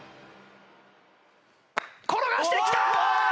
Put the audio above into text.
転がしてきた！